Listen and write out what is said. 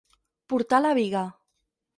Portar la biga.